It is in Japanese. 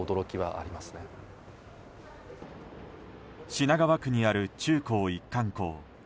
品川区にある中高一貫校。